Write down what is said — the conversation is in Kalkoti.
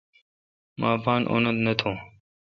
مہ پا اوتھ نہ تھون۔